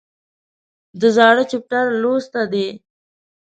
د زاړه چپټر لوسته دي